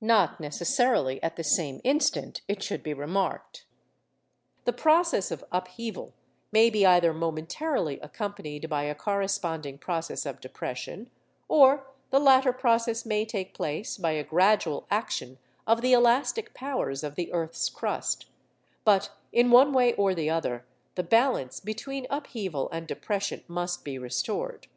Not necessarily at the same instant, it should be remarked. The process of upheaval may be either momentarily accompanied by a corresponding process of depression, or the latter process may take place by a gradual action of the elastic powers of the earth's crust; but, in one way or the other, the balance between upheaval and depression must be restored.